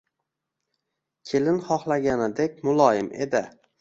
Kelin xohlaganidek muloyim edi.